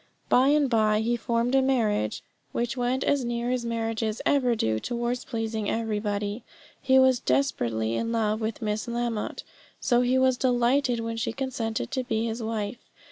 By and by he formed a marriage, which went as near as marriages ever do towards pleasing everybody. He was desperately in love with Miss Lamotte, so he was delighted when she consented to be his wife.